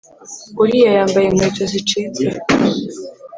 Uriya yambaye inkweto zicitse